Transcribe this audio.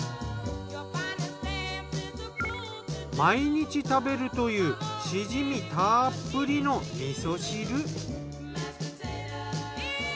毎日食べるというシジミたっぷりの味噌汁。